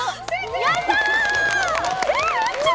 やったー！